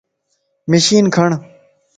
مشين کڻ